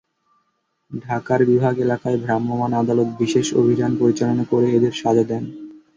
ঢাকার বিভিন্ন এলাকায় ভ্রাম্যমাণ আদালত বিশেষ অভিযান পরিচালনা করে এদের সাজা দেন।